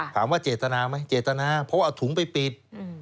ถามว่าเจตนาไหมเจตนาเพราะว่าเอาถุงไปปิด